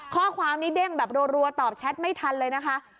ข้อความนี้เด้งแบบรัวตอบแชทไม่ทันเลยนะคะ